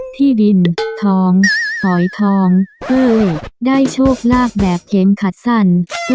ที่ดินทองหอยทองเอ้ยได้โชคลาภแบบเข็มขัดสั้น